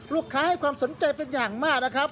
ลูกค้าให้ความสนใจเป็นอย่างมากนะครับ